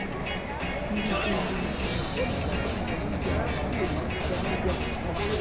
ibihumbi bitanu by amafaranga y u Rwanda FRW